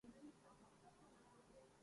میری زندگی کا سکون تھا وہ